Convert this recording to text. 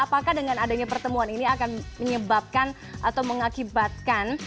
apakah dengan adanya pertemuan ini akan menyebabkan atau mengakibatkan